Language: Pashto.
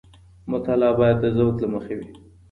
مطالعه باید د ذوق له مخې وي.